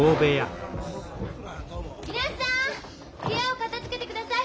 皆さん部屋を片づけてください！